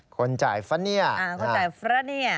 คนจ่ายฟรั้นนี้